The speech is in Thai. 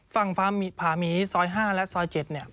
ฝั่งผาหมีซอย๕และซอย๗เนี่ย